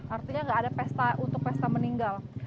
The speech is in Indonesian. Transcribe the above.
artinya nggak ada untuk pesta meninggal